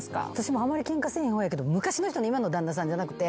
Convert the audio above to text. あまりケンカせえへん方やけど昔の人ね今の旦那さんじゃなくて。